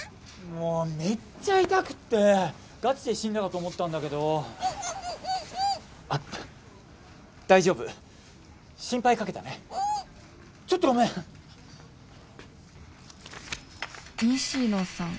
もうめっちゃ痛くってガチで死んだかと思ったんだけどううううあっ大丈夫心配かけたねちょっとごめん西野さん